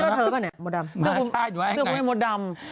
เข้าเสื้อเธอหรือโมดำเข้าเสื้อเธอหรือโมดำ